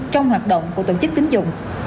trong hoạt động của tổ chức tính dụng